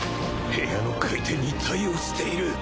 部屋の回転に対応している